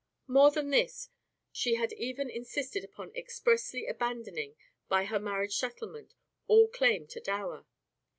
More than this she had even insisted upon expressly abandoning, by her marriage settlement, all claim to dower.